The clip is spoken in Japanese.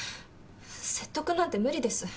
説得なんて無理です。